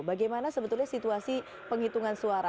bagaimana sebetulnya situasi penghitungan suara